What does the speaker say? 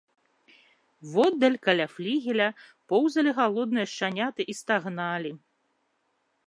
Воддаль, каля флігеля, поўзалі галодныя шчаняты і стагналі.